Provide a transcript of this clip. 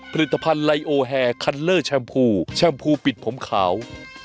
ผลิตภัณฑ์ไลโอแฮคันเลอร์แชมพูแชมพูปิดผมขาว